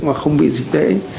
mà không bị dịch tễ